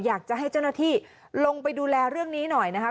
อยากจะให้เจ้าหน้าที่ลงไปดูแลเรื่องนี้หน่อยนะคะ